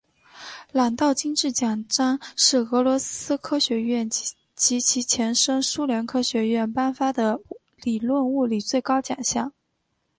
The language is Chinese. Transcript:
朗道金质奖章是俄罗斯科学院及其前身苏联科学院颁发的理论物理最高奖项。